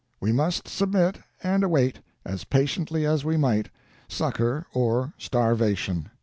We must submit, and await, as patiently as we might, succor or starvation!